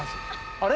あれ？